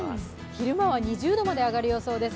昼間は２０度まで上がる予想です。